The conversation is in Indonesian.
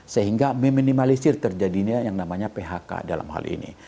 sehingga meminimalisir terjadinya yang namanya phk dalam hal ini